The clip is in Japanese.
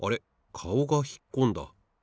かおがひっこんだ。